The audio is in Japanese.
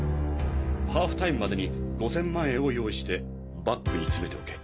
ハーフタイムまでに５千万円を用意してバッグに詰めておけ。